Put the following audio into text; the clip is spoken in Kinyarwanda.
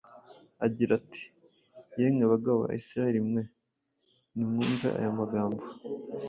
agira ati: ” Yemwe bagabo ba Isirayeli mwe, nimwumve aya magambo: